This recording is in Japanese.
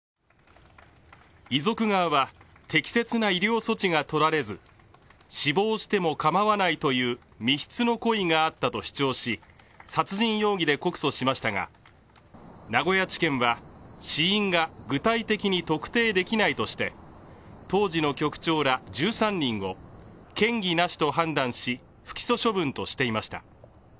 遺族側は、適切な医療措置が取られず、死亡してもかまわないという未必の故意があったと主張し殺人容疑で告訴しましたが名古屋地検は死因が具体的に特定できないとして、当時の局長ら１３人を嫌疑なしと判断し不起訴処分としていました。